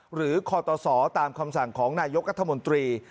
หรือคอตสตามคำสั่งของนายกรัฐมนตรี